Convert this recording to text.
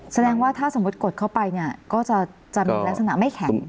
แสดงว่าถ้าสมมุติกดเข้าไปเนี่ยก็จะมีลักษณะไม่แข็ง